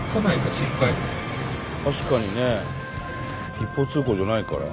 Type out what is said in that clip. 確かにね。一方通行じゃないから。